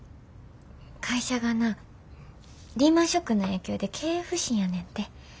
会社がなリーマンショックの影響で経営不振やねんて。